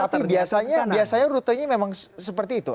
tapi biasanya biasanya rutenya memang seperti itu